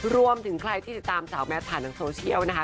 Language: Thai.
รวมถึงใครที่ติดตามสาวแมทผ่านทางโซเชียลนะคะ